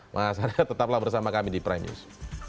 mas arya tetaplah bersama kami di prime news